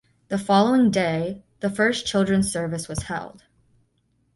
The following day, the first Children's Service was held.